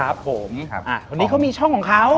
วันนี้ก็มีช่องของเขา